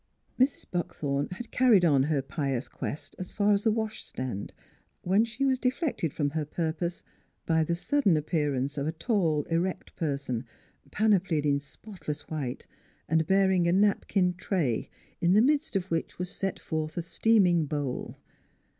62 NEIGHBORS Mrs. Buckthorn had carried on her pious quest as far as the wash stand, when she was deflected from her purpose by the sudden appearance of a tall, erect person, panoplied in spotless white and bearing a napkined tray, in the midst of which was set forth a steaming bowl.